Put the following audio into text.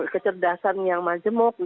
kecerdasan yang majemuk gitu